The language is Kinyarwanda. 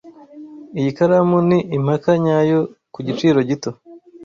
Iyi karamu ni impaka nyayo ku giciro gito.